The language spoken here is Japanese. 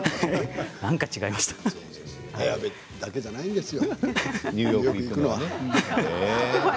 綾部だけじゃないんですよ